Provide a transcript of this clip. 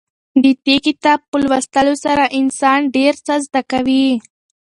د دې کتاب په لوستلو سره انسان ډېر څه زده کوي.